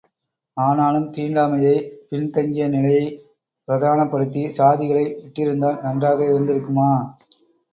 ஆனாலும் தீண்டாமையை பின் தங்கிய நிலையைப் பிரதானப்படுத்தி சாதிகளை விட்டிருந்தால் நன்றாக இருந்திருக்குமா?